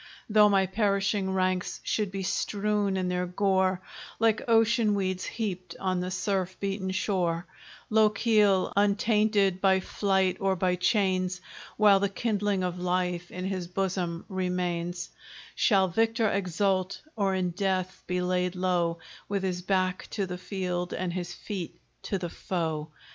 Though my perishing ranks should be strewed in their gore, Like ocean weeds heaped on the surf beaten shore, Lochiel, untainted by flight or by chains, While the kindling of life in his bosom remains, Shall victor exult, or in death be laid low, With his back to the field, and his feet to the foe!